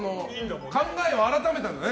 考えを改めたんだね。